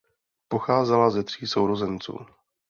Pocházela ze tří sourozenců.